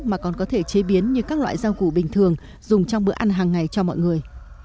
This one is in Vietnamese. mà còn có thể chế biến như các loại rau củ bình thường dùng trong bữa ăn hàng ngày cho mọi người